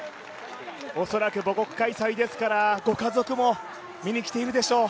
恐らく母国開催ですからご家族も見に来ているでしょう。